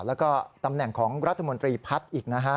แล้วก็ตำแหน่งของรัฐมนตรีพัฒน์อีกนะฮะ